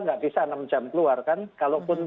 nggak bisa enam jam keluar kan kalaupun